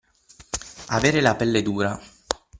Avere la pelle dura.